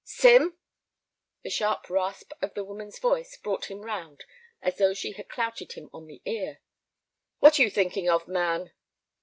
"Sim!" The sharp rasp of the woman's voice brought him round as though she had clouted him on the ear. "What are you thinking of, man?"